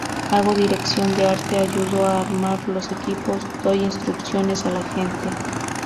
Hago dirección de arte; ayudo a armar los equipos; doy instrucciones a la gente.